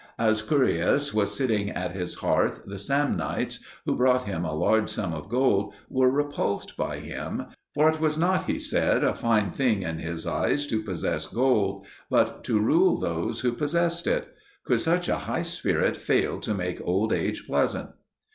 As Curius was sitting at his hearth the Samnites, who brought him a large sum of gold, were repulsed by him; for it was not, he said, a fine thing in his eyes to possess gold, but to rule those who possessed it. Could such a high spirit fail to make old age pleasant?